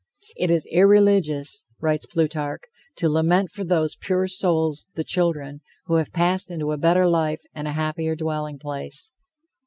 "It is irreligious," writes Plutarch, "to lament for those pure souls (the children) who have passed into a better life and a happier dwelling place."